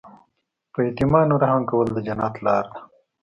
په یتیمانو رحم کول د جنت لاره ده.